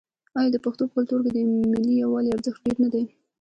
آیا د پښتنو په کلتور کې د ملي یووالي ارزښت ډیر نه دی؟